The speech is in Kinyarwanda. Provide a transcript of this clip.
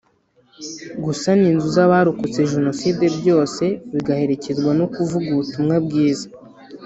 gusana inzu z’abarokotse Jenoside byose bigaherekezwa no kuvuga ubutumwa bwiza